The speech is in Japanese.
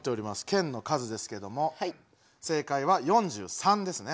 県の数ですけども正解は４３ですね。